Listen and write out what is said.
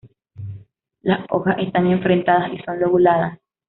Las hojas están enfrentadas y son lobuladas.